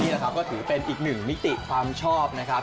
แหละครับก็ถือเป็นอีกหนึ่งมิติความชอบนะครับ